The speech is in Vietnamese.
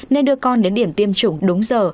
nên đưa con đến điểm tiêm chủng đúng giờ